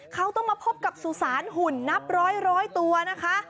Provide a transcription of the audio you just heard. เขาต้องมาพบกับสุสานหุ่นนับร้อยตัวนะคะ